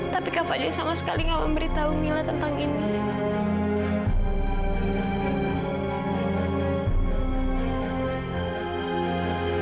tapi kakaknya sama sekali gak memberitahu mila tentang ini